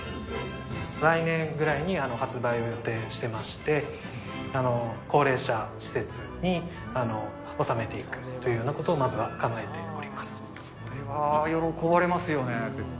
来年ぐらいに発売を予定していまして、高齢者施設に納めていくというようなことを、まずは考えておりまそれは喜ばれますよね。